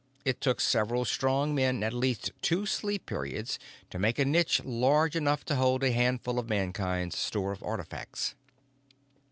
It took several strong men at least two sleep periods to make a niche large enough to hold a handful of Mankind's store of artifacts.